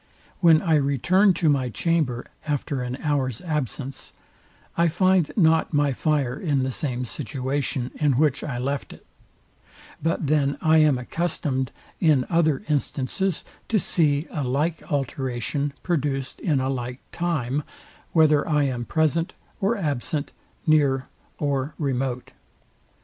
When I return to my chamber after an hour's absence, I find not my fire in the same situation, in which I left it: But then I am accustomed in other instances to see a like alteration produced in a like time, whether I am present or absent, near or remote.